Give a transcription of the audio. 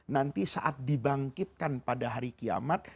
nanti saat dibangkitkan pada hari kiamat